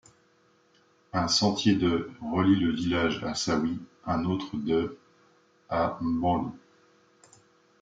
Un sentier de relie le village à Sawi, un autre de à Mbamlu.